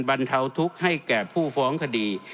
บรรเทาทุกข์ให้แก่ผู้ฟ้องคดี